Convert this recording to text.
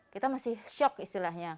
kita masih shock istilahnya